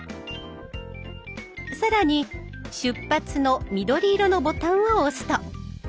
更に「出発」の緑色のボタンを押すと。